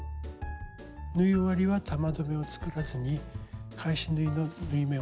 縫い終わりは玉留めを作らずに返し縫いの縫い目を割って留めていきます。